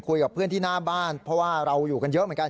คุยกับเพื่อนที่หน้าบ้านเพราะว่าเราอยู่กันเยอะเหมือนกัน